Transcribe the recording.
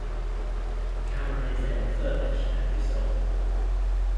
The camera is then refurbished and resold.